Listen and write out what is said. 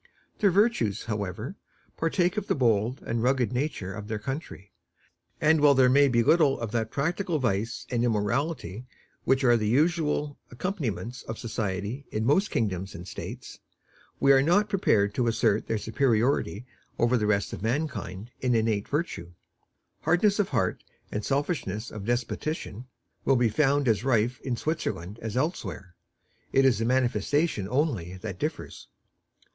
Their virtues, however, partake of the bold and rugged nature of their country; and while there may be little of that practical vice and immorality which are the usual accompaniments of society in most kingdoms and states, we are not prepared to assert their superiority over the rest of mankind in innate virtue. Hardness of heart and selfishness of disposition will be found as rife in Switzerland as elsewhere; it is the manifestation only that differs.